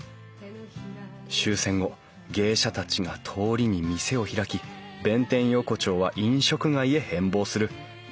終戦後芸者たちが通りに店を開き弁天横丁は飲食街へ変貌する。